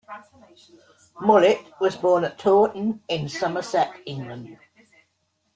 Mullett was born at Taunton in Somerset, England.